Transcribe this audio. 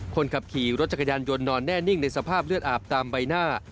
คนขับขี่รถจักรยานยนต์นอนแน่นิ่งในสภาพเลือดอาบตามใบหน้า